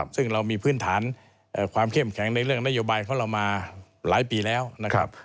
ซึ่งเรามีพื้นฐานความเข้มแข็งในเรื่องนโยบายของเรามาหลายปีแล้วนะครับ